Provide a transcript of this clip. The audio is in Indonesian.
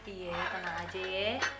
iya tenang aja ya